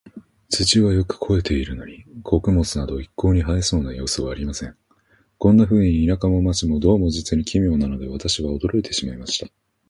土はよく肥えているのに、穀物など一向に生えそうな様子はありません。こんなふうに、田舎も街も、どうも実に奇妙なので、私は驚いてしまいました。